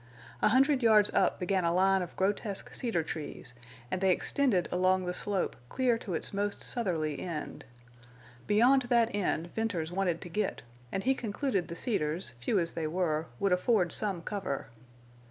A hundred yards up began a line of grotesque cedar trees, and they extended along the slope clear to its most southerly end. Beyond that end Venters wanted to get, and he concluded the cedars, few as they were, would afford some cover.